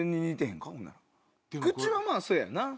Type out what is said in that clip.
口はまぁそうやな。